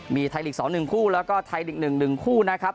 มีไทยลีกสองหนึ่งคู่แล้วก็ไทยลีกหนึ่งหนึ่งคู่นะครับ